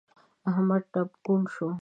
احمد ټپ کوڼ شو.